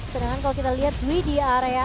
sedangkan kalau kita lihat duy di area atas